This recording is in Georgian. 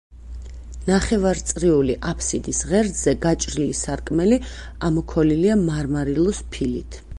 ნახევარწრიული აფსიდის ღერძზე გაჭრილი სარკმელი ამოქოლილია მარმარილოს ფილით.